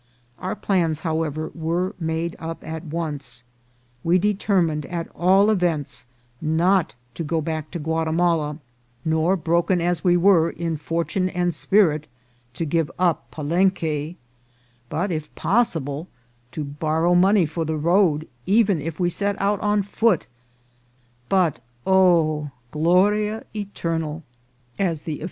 Our plans, however, were made up at once. We determined, at all events, not to go back to Guatimala, nor, broken as we were in fortune and spirit, to give up Palenque, but, if possible, to borrow money for the road, even if we set out on foot ; but, o GLORIA ETERNAL, as the offi 224 INCIDENTS OF TRAVEL.